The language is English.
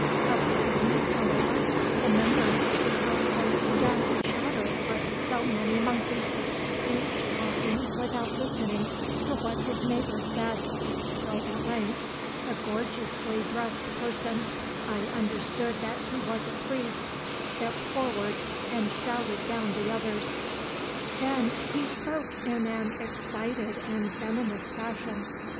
Of a sudden, however, the members of the Council began to chatter like so many monkeys, each talking without listening to what his neighbour said, till at length a gorgeously dressed person, I understood that he was a priest, stepped forward, and shouted down the others. Then he spoke in an excited and venomous fashion.